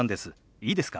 いいですか？